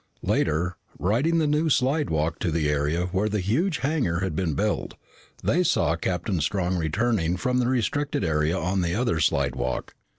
Later, riding the new slidewalk to the area where the huge hangar had been built, they saw Captain Strong returning from the restricted area on the other slidewalk.